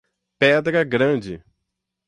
Pedra Grande